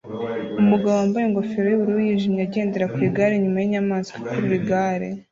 Umugabo wambaye ingofero yubururu yijimye agendera ku igare inyuma yinyamaswa ikurura igare